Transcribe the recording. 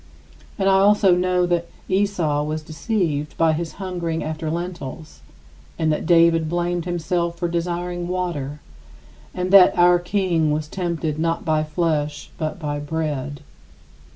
And I also know that Esau was deceived by his hungering after lentils and that David blamed himself for desiring water, and that our King was tempted not by flesh but by bread.